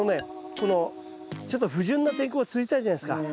このちょっと不順な天候が続いたじゃないですか？